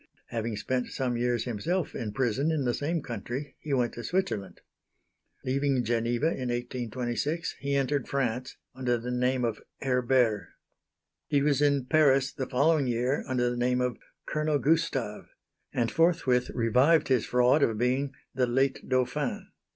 Having spent some years himself in prison in the same country, he went to Switzerland. Leaving Geneva in 1826, he entered France, under the name of Herbert. He was in Paris the following year under the name of "Colonel Gustave," and forthwith revived his fraud of being "the late Dauphin."